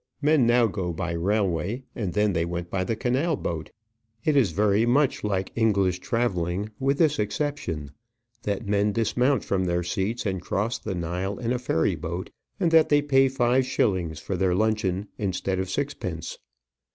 Men now go by railway, and then they went by the canal boat. It is very much like English travelling, with this exception, that men dismount from their seats, and cross the Nile in a ferry boat, and that they pay five shillings for their luncheon instead of sixpence.